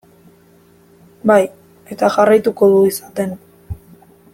Bai, eta jarraituko du izaten.